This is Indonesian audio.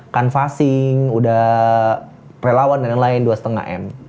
kanvassing udah relawan dan lain lain dua lima m